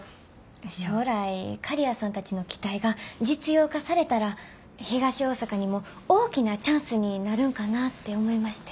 将来刈谷さんたちの機体が実用化されたら東大阪にも大きなチャンスになるんかなって思いまして。